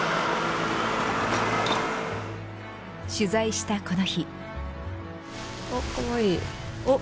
取材したこの日。